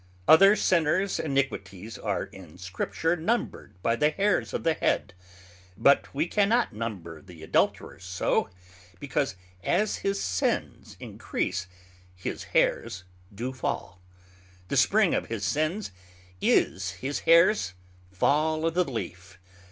Other sinners iniquities are in Scripture numbred by the hairs of the head; but we cannot number the Adulterers so, because as his sins increase his hairs do fall; the Spring of his sins is his hairs Fall o' th' leaf.